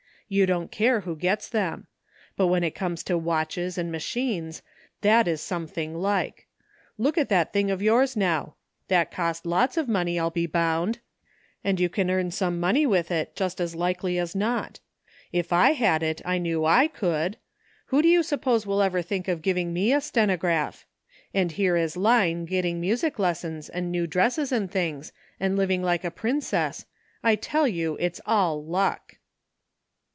You don't care who gets them. But when it comes to watches and machines, that is something like. Loqk at that thing of yours now; that cost lots of money, I'll be bound, and you can earn some money with it, just as likely as not. If I had it I know I could. Who do you suppose will ever think of giving me a stenograph? And here is Line getting music lessons and ''LUCE.'' 326 new dresses and things, and living like a prin cess ; I tell you it's all luck."